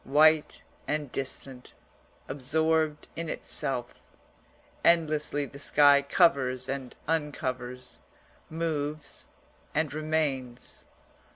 White and distant, absorbed in itself, endlessly the sky covers and uncovers, moves and remains.